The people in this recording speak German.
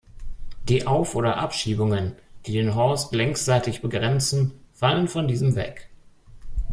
Die Auf- oder Abschiebungen, die den Horst längsseitig begrenzen, fallen von diesem weg.